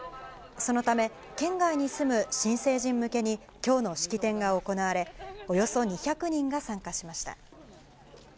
そのため、県外に住む新成人向けにきょうの式典が行われ、およそ２００人が参加しました。